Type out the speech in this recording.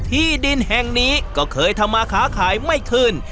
ที่ดินแห่งนี้ก็เคยทำมาค้าขายไม่ขึ้น